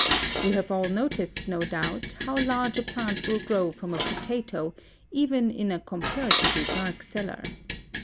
We have all noticed, no doubt, how large a plant will grow from a potato, even in a comparatively dark cellar.